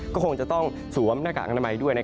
ก็คงจะต้องสวมหน้ากากอนามัยด้วย